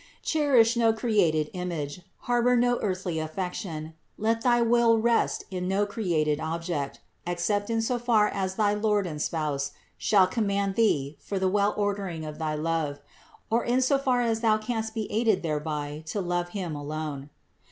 Cherish no created image, harbor no earthly affection; let thy will rest in no created object, except in so far as thy Lord and Spouse shall command thee for the well ordering of thy love, or in so far as thou canst be aided thereby to love Him alone/' 17.